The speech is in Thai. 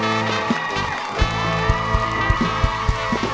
ดูเข้าทำทำ